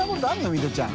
ミトちゃん。